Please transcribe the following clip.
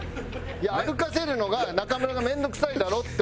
いや歩かせるのが中村が面倒くさいだろって。